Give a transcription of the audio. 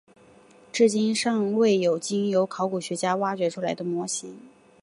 至今尚未有经由考古学家挖掘出来的模型。